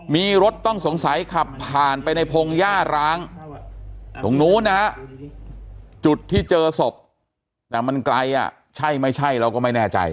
มีรถต้องสงสัยขับผ่านไปในพงหญ้าร้างตรงนู้นนะฮะจุดที่เจอศพแต่มันไกลอ่ะใช่ไม่ใช่เราก็ไม่แน่ใจ